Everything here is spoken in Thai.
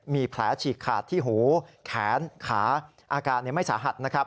มีแผลฉีกขาดที่หูแขนขาอากาศไม่สาหัส